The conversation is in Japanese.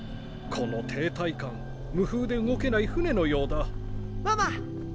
この停滞感無風で動けない船のようだ。